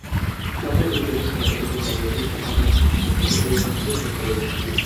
সকল উইকেটের পতন কিংবা নির্দিষ্ট ওভার সংখ্যা শেষ হলে ঐ ইনিংসটি শেষ হবে।